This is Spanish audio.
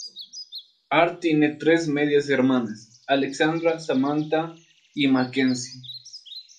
Hart tiene tres medias hermanas: Alexandra, Samantha y Mackenzie.